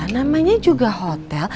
namanya juga hotel